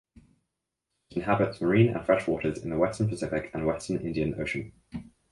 It inhabits marine and freshwaters in the western Pacific and western Indian Ocean.